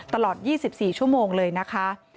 ตลอด๒๔ชั่วโมงเลยนะคะ